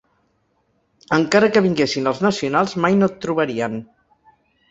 Encara que vinguessin els nacionals mai no et trobarien.